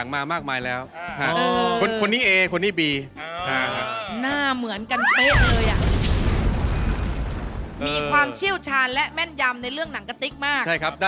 ไม่ครับ